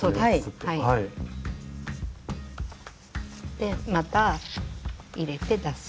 でまた入れて出す。